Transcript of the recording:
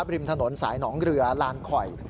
ริมถนนสายหนองเรือลานคอย